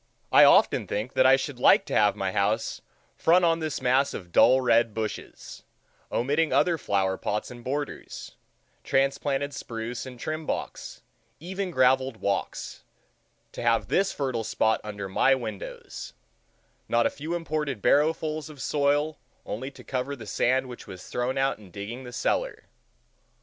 I often think that I should like to have my house front on this mass of dull red bushes, omitting other flower plots and borders, transplanted spruce and trim box, even graveled walks—to have this fertile spot under my windows, not a few imported barrow fuls of soil only to cover the sand which was thrown out in digging the cellar.